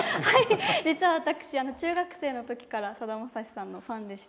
実は私、中学生のときからさだまさしさんのファンでして。